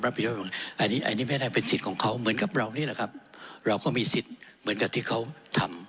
อันนี้อันนี้ไม่ได้เป็นสิทธิ์ของเขาเหมือนกับเรานี่แหละครับเราก็มีสิทธิ์เหมือนกับที่เขาทำ